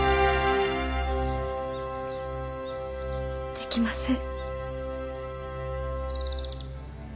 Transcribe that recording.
できません。